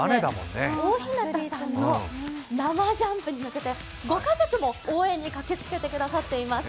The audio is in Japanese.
今日は大日向さんの生ジャンプに向けてご家族も応援に駆けつけてくださっています。